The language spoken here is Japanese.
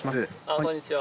こんにちは。